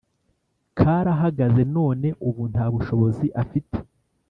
karahagaze none ubu nta bushobozi afite